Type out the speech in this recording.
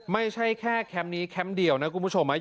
ไม่ใช่แค่แคมป์นี้แคมป์เดียวนะคุณผู้ชม